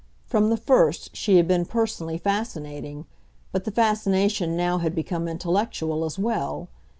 From the first she had been personally fascinating; but the fascination now had become intellectual as well.